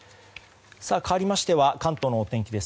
かわりましては関東のお天気です。